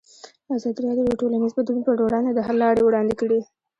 ازادي راډیو د ټولنیز بدلون پر وړاندې د حل لارې وړاندې کړي.